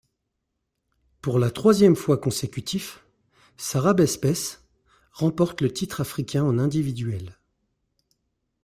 Pour la troisième fois consécutif, Sarra Besbes remporte le titre africain en individuel.